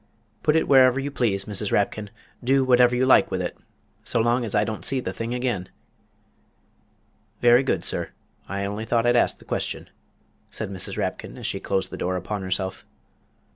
"Put it wherever you please, Mrs. Rapkin; do whatever you like with it so long as I don't see the thing again!" "Very good, sir; I on'y thought I'd ask the question," said Mrs. Rapkin, as she closed the door upon herself.